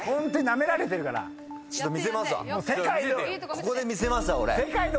ここで見せますわ俺。